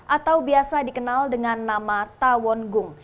atau biasa dikenal dengan nama tawon gung